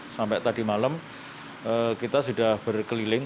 sampai tadi malam kita sudah berkeliling